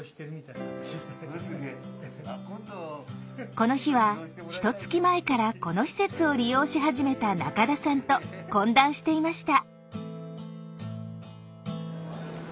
この日はひとつき前からこの施設を利用し始めた中田さんと懇談していました。